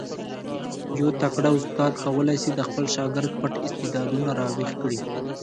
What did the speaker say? یو تکړه استاد کولای سي د خپل شاګرد پټ استعدادونه را ویښ کړي.